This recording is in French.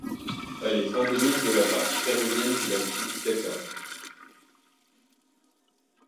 Elle est endémique de la partie péruvienne du lac Titicaca.